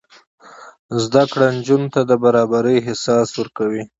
زده کړه نجونو ته د برابرۍ احساس ورکوي.